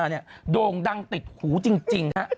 อยากกันเยี่ยม